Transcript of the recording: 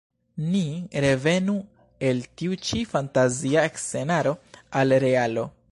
Ni revenu el tiu ĉi fantazia scenaro al realo.